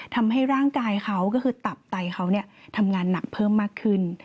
ทำให้ร่างกายเขาก็คือตับไตเขาทำงานหนักเพิ่มมากขึ้น